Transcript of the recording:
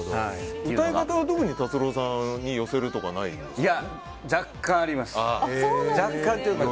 歌い方は特に達郎さんに寄せるとかありますか。